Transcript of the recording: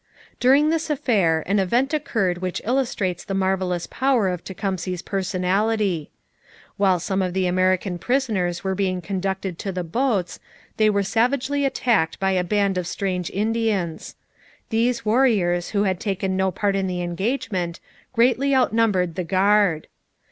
During this affair an event occurred which illustrates the marvellous power of Tecumseh's personality. While some of the American prisoners were being conducted to the boats, they were savagely attacked by a band of strange Indians. These warriors, who had taken no part in the engagement, greatly outnumbered the guard.